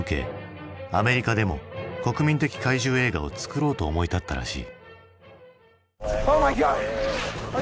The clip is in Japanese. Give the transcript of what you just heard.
アメリカでも国民的怪獣映画を作ろうと思い立ったらしい。